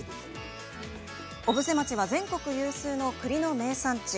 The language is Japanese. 小布施町は全国有数の栗の名産地。